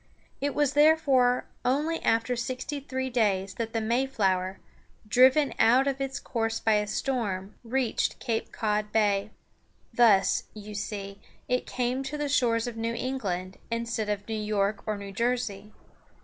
It was therefore only after sixty three days that the Mayflower, driven out of its course by a storm, reached Cape Cod Bay. Thus, you see, it came to the shores of New England instead of New York or New Jersey.